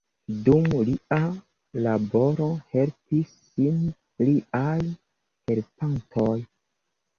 Dum lia laboro helpis lin liaj helpantoj.